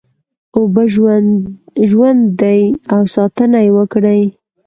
اوبه ژوند دی او ساتنه یې وکړی